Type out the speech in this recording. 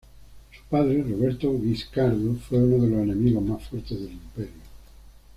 Su padre, Roberto Guiscardo, fue uno de los enemigos más fuertes del Imperio.